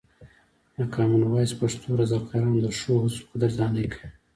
د کامن وایس پښتو رضاکاران د ښو هڅو قدرداني کوي.